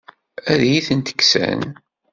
Ad iyi-tent-kksen?